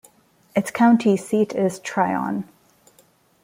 Its county seat is Tryon.